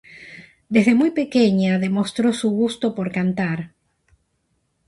Desde muy pequeña demostró su gusto por cantar.